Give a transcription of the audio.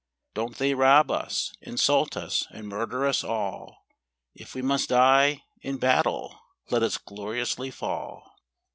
Don't they rob us, insult us, and murder us all ? If we must die, in battle let us gloriously fail.